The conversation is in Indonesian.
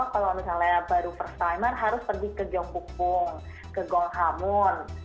kalau misalnya baru first timer harus pergi ke jongbukbong ke gonghamun